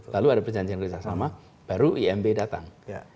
lalu ada perjanjian kerjasama baru imb datang